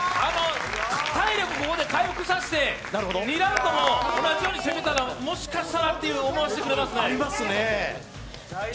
体力ここで回復させて２ラウンドも同じように攻めたらもしかしたらと思わせてくれますね。